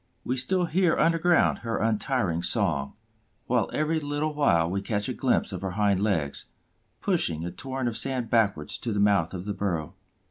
We still hear underground her untiring song, while every little while we catch a glimpse of her hind legs, pushing a torrent of sand backwards to the mouth of the burrow.